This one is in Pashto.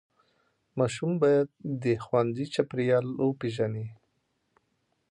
ماشوم باید د ښوونځي چاپېریال وپیژني.